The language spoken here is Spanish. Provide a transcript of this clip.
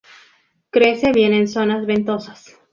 Crece bien en zonas ventosas.